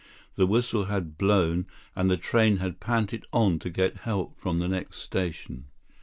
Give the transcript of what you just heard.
The whistle had blown and the train had panted on to get help from the next station.